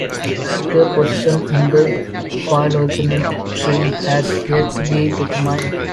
Their position in the phylogenetic tree has yet to be determined.